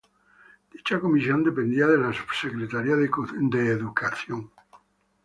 Dicha Comisión dependía de la Subsecretaría de Educación, a cargo del Prof.